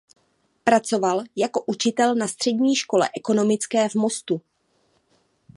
Pracoval jako učitel na Střední škole ekonomické v Mostu.